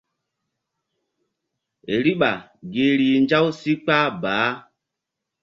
Riɓa gi rih nzaw si kpah baah.